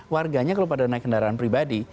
warganya kalau pada naik kendaraan pribadi